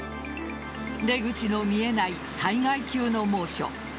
出口の見えない災害級の猛暑。